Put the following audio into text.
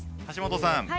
橋本さん